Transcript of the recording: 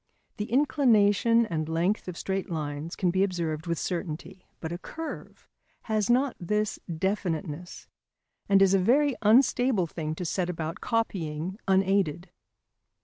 The inclination and length of straight lines can be observed with certainty. But a curve has not this definiteness, and is a very unstable thing to set about copying unaided.